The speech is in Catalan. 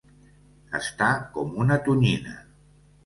Estar com una tonyina.